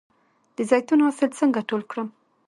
د زیتون حاصل څنګه ټول کړم؟